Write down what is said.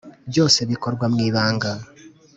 byose bikorwa mu ibanga;